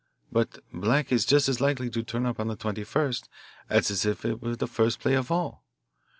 But black is just as likely to turn up the twenty first as if it were the first play of all.